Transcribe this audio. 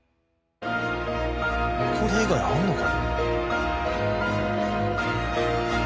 これ以外あんのか？